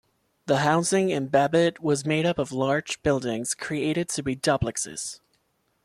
The housing in Babbitt was made up of large buildings created to be duplexes.